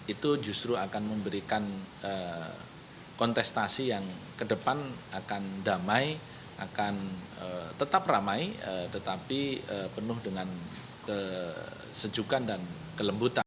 itu justru akan memberikan kontestasi yang kedepan akan damai akan tetap ramai tetapi penuh dengan kesejukan dan kelembutan